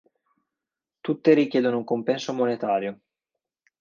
Tutte richiedono un compenso monetario.